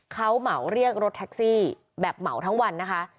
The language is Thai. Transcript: เขาเหมาเรียกรถแท็กซี่แบบเหมาทั้งวันนะคะ